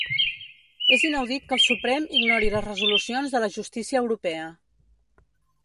És inaudit que el Suprem ignori les resolucions de la justícia europea.